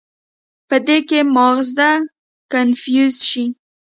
پۀ دې کښې مازغه کنفيوز شي